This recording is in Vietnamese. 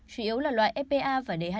chủ yếu là loại epa và dha